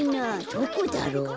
どこだろう？